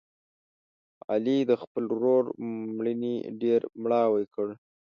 علي د خپل ورور مړینې ډېر مړاوی کړ.